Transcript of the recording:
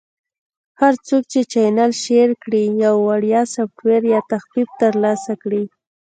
- هر څوک چې چینل Share کړي، یو وړیا سافټویر یا تخفیف ترلاسه کړي.